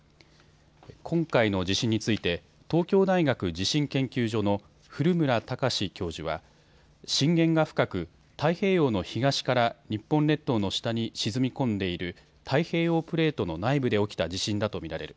今回の地震について東京大学地震研究所の古村孝志教授は震源が深く、太平洋の東から日本列島の下に沈み込んでいる太平洋プレートの内部で起きた地震だと見られる。